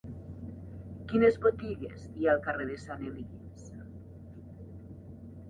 Quines botigues hi ha al carrer de Sant Elies?